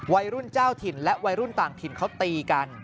วัยรุ่นเจ้าถิ่นและวัยรุ่นต่างถิ่นเขาตีกัน